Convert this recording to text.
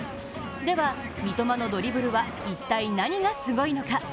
では、三笘のドリブルは一体、何がすごいのか。